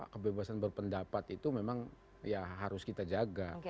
kebebasan berpendapat itu memang ya harus kita jaga